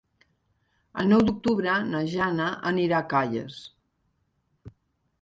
El nou d'octubre na Jana anirà a Calles.